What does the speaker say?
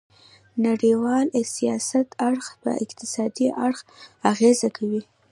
نړیوال سیاسي اړخ په اقتصادي اړخ اغیزه کوي